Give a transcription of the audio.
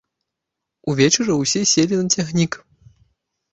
Увечары ўсе селі на цягнік.